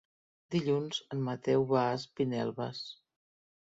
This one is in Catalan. Dilluns en Mateu va a Espinelves.